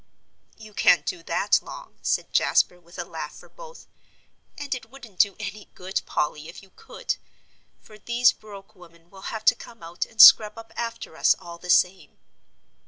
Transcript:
"You can't do that long," said Jasper, with a laugh for both, "and it wouldn't do any good, Polly, if you could, for these Broek women will have to come out and scrub up after us all the same."